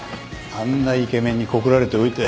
あんなイケメンに告られておいて。